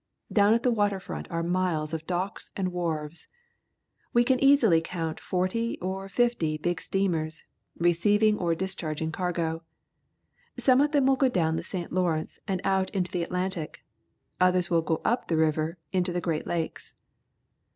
Down at tlie water front are miles of docks and wharves. We can easily count forty or fifty big steamers, receiving or discharging cargo. Some of them will go down the St. Lawrence and out into the Atlantic, others will go up the river into the Great Lakes.